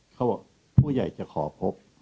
เขาบอกผู้ใหญ่จะขอพบ